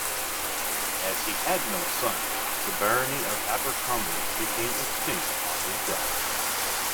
As he had no son, the Barony of Abercromby became extinct on his death.